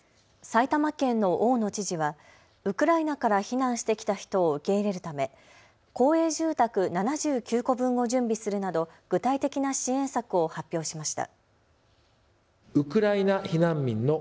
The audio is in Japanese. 埼玉県の大野知事はウクライナから避難してきた人を受け入れるため公営住宅７９戸分を準備するなど具体的な支援策を発表しました。